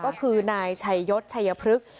ก็คือนายชัยยศชัยพฤกษ์